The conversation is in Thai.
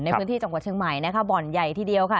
ในพื้นที่จังหวัดเชียงใหม่นะคะบ่อนใหญ่ทีเดียวค่ะ